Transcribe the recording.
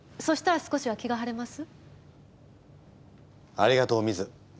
ありがとうミズ。